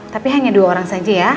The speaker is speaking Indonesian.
tapi hanya dua orang saja ya